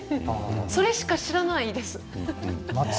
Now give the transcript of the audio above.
それしか知らないです。